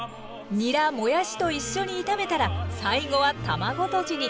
にらもやしと一緒に炒めたら最後は卵とじに。